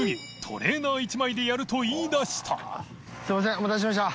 お待たせしました。